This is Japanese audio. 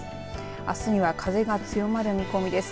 あすには風が強まる見込みです。